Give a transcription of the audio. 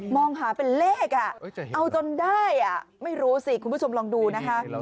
มองหาเป็นเลขเอาจนได้ไม่รู้สิคุณผู้ชมลองดูนะคะ